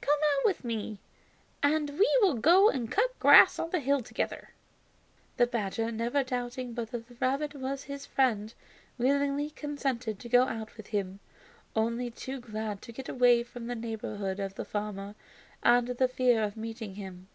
Come out with me, and we will go and cut grass on the hills together." The badger, never doubting but that the rabbit was his friend, willingly consented to go out with him, only too glad to get away from the neighborhood of the farmer and the fear of meeting him.